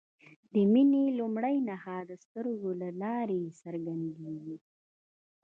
د مینې لومړۍ نښه د سترګو له لارې څرګندیږي.